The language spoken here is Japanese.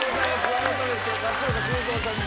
改めて松岡修造さんに。